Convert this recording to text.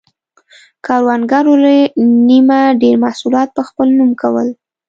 کروندګرو له نییمه ډېر محصولات په خپل نوم کول.